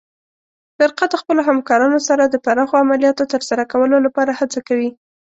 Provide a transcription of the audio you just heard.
فرقه د خپلو همکارانو سره د پراخو عملیاتو ترسره کولو لپاره هڅه کوي.